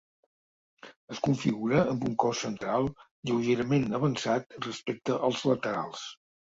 Es configura amb un cos central lleugerament avançat respecte als laterals.